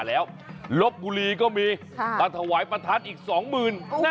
แล้วลบบุรีก็มีมาถวายประทัดอีกสองหมื่น